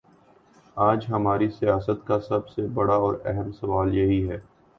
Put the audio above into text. آج ہماری سیاست کا سب سے بڑا اور اہم سوال یہی ہے؟